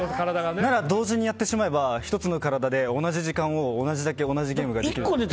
なら、同時にやってしまえば同じ時間を、同じだけ同じゲームをできるので。